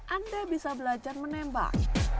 anda bisa belajar menembak